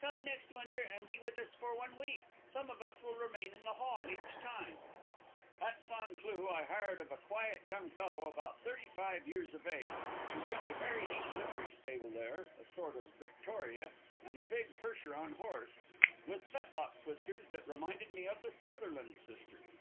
Come next winter and be with us for one week. Some of us will remain in the hall each time." At San Cloo I hired of a quiet young fellow about thirty five years of age, who kept a very neat livery stable there, a sort of victoria and a big Percheron horse, with fetlock whiskers that reminded me of the Sutherland sisters.